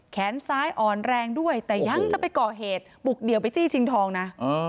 แขนซ้ายอ่อนแรงด้วยแต่ยังจะไปก่อเหตุบุกเดี่ยวไปจี้ชิงทองนะ